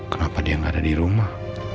kenapa dia nggak ada di rumah